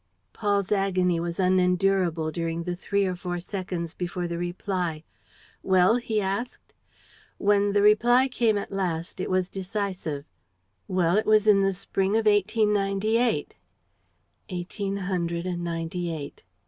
Paul's agony was unendurable during the three or four seconds before the reply. "Well?" he asked. When the reply came at last it was decisive: "Well, it was in the spring of 1898." "Eighteen hundred and ninety eight!"